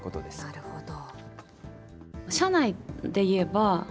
なるほど。